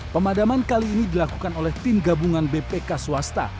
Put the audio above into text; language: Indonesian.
pemadaman kali ini dilakukan oleh tim gabungan bpk swasta